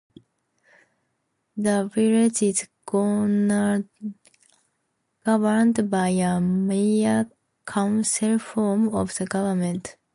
The village is governed by a Mayor-Council form of government.